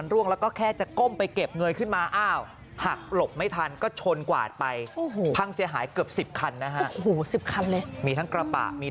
ระหว่างขับ